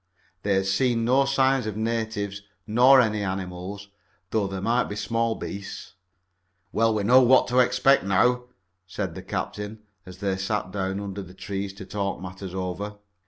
They had seen no signs of natives, nor any of animals, though there might be small beasts. "Well, we know what to expect now," said the Captain, as they sat down under the trees to talk matters over.